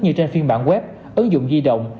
như trên phiên bản web ứng dụng di động